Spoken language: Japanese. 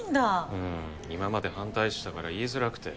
うん今まで反対してたから言いづらくて。